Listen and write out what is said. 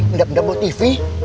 mendap dap buat tv